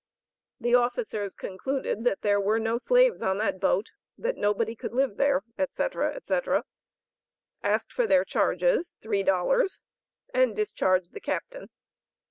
The officers concluded that there were no slaves on that boat, that nobody could live there, etc., etc., asked for their charges ($3), and discharged the Captain.